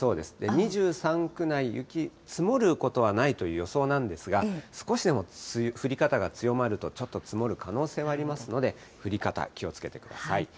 ２３区内、雪、積もることはないという予想なんですが、少しでも降り方が強まると、ちょっと積もる可能性はありますので、降り方、気をつけてください。